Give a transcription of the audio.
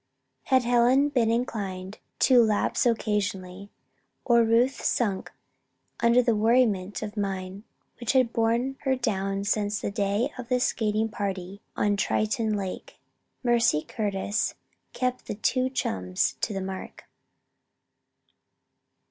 Had Helen been inclined to lapse occasionally, or Ruth sunk under the worriment of mind which had borne her down since the day of the skating party on Triton Lake, Mercy Curtis kept the two chums to the mark.